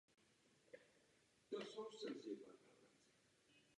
Rovněž je třeba, aby pracovníci byli podrobeni odpovídající odborné přípravě.